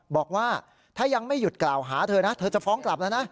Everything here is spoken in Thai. บอกว่าถ้ายังไม่หยุดกล่าวหาเธอนะเธอจะฟ้องกลับแล้วนะ